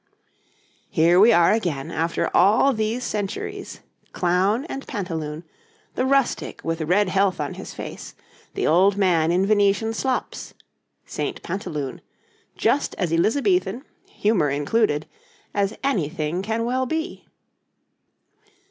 Here we are again after all these centuries clown and pantaloon, the rustic with red health on his face, the old man in Venetian slops St. Pantaloone just as Elizabethan, humour included, as anything can well be.